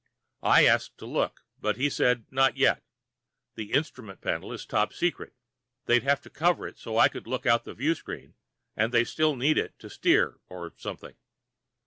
I asked to look, but he said not yet; the instrument panel is Top Secret. They'd have to cover it so I could look out the viewing screen, and they still need it for steering or something.